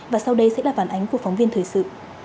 và sau đây sẽ là phản ánh của phóng viên thời sự